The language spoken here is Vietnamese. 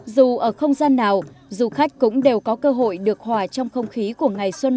dù ở không gian nào du khách cũng có thể tham gia các trò chơi dân gian